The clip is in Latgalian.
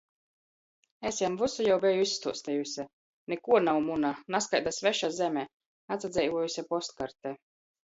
Es jam vysu jau beju izstuostejuse. Nikuo nav muna. Nazkaida sveša zeme. Atsadzeivuojuse postkarte.